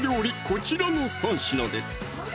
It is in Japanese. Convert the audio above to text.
こちらの３品です